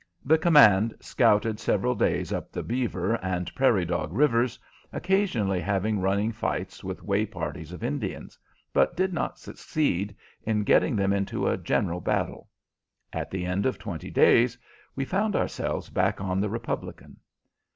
The command scouted several days up the Beaver and Prairie Dog rivers, occasionally having running fights with way parties of Indians, but did not succeed in getting them into a general battle. At the end of twenty days we found ourselves back on the Republican.